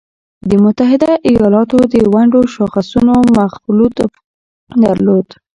د متحده ایالاتو د ونډو شاخصونو مخلوط فعالیت درلود